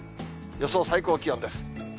予想最高気温です。